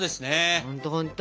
ほんとほんと。